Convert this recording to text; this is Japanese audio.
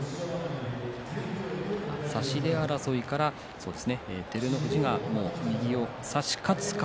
差し手争いから照ノ富士が右を差し勝つ形。